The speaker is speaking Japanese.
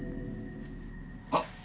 あっ！